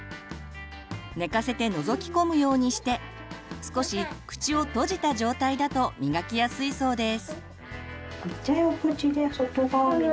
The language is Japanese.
寝かせてのぞき込むようにして少し口を閉じた状態だと磨きやすいそうです。